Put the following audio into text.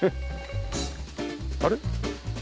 あれ？